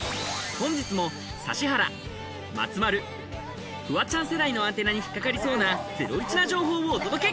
本日も指原、松丸、フワちゃん世代のアンテナに引っ掛かりそうなゼロイチな情報をお届け！